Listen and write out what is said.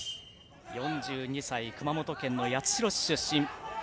４２歳、熊本県八代市出身。